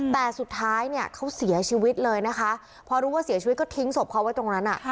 แต่สุดท้ายเนี่ยเขาเสียชีวิตเลยนะคะพอรู้ว่าเสียชีวิตก็ทิ้งศพเขาไว้ตรงนั้น